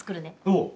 おう！